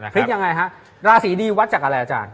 พลิกยังไงฮะราศีดีวัดจากอะไรอาจารย์